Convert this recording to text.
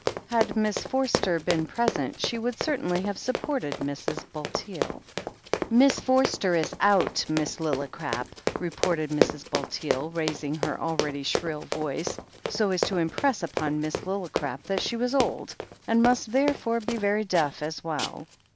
Had Miss Forster been present she would certainly have supported Mrs. Bulteel. "Miss Forster is out, Miss Lillicrap," retorted Mrs. Bulteel, raising her already shrill voice, so as to im press upon Miss Lillicrap that she was old, and must therefore be very deaf as well.